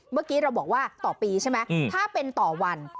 เมื่อกี้เราบอกว่าต่อปีใช่ไหมถ้าเป็นต่อวัน